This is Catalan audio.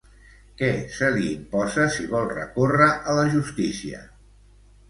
Què se li imposa si vol recórrer a la Justícia?